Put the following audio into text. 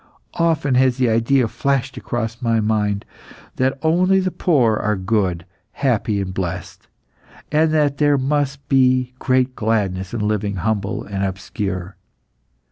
Often has the idea flashed across my mind that only the poor are good, happy, and blessed, and that there must be great gladness in living humble and obscure.